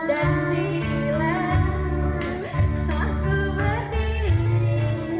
dan bila aku berdiri